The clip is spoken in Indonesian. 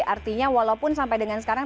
artinya walaupun sampai dengan sekarang